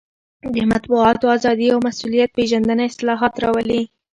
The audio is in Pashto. د مطبوعاتو ازادي او مسوولیت پېژندنه اصلاحات راولي.